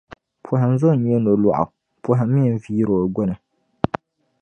Pɔhim zo nyɛ nolɔɣu, pɔhim mi n-viiri o gbinni.